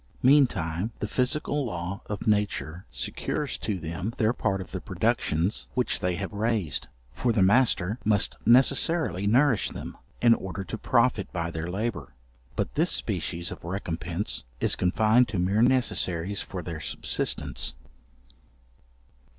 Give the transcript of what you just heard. Meantime, the physical law of nature secures to them their part of the productions which they have raised; for the master must necessarily nourish them, in order to profit by their labour. But this species of recompence is confined to mere necessaries for their subsistence.